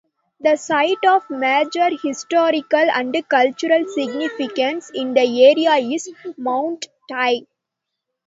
The site of major historical and cultural significance in the area is Mount Tai.